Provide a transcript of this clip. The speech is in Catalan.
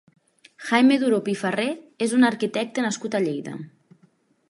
Jaime Duró Pifarré és un arquitecte nascut a Lleida.